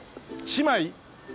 姉妹？